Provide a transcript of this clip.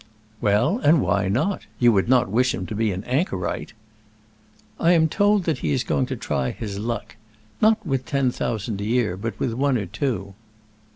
"Well, and why not? You would not wish him to be an anchorite?" "I am told that he is going to try his luck, not with ten thousand a year, but with one or two."